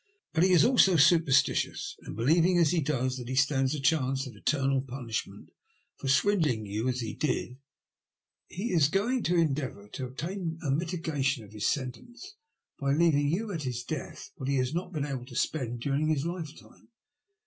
But he is also superstitious, and believing, as he does, that he stands a chance of eternal punishment for swindling you as he did, he ENGLAND ONCE MORE. 68 is going to endeavour to obtain a mitigation ol his sentence by leaving you at his death what he has not been able to spend daring his lifetime.